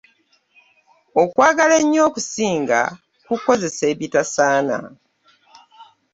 Okwagala ennyo okusinga kukozesa ebitasaana.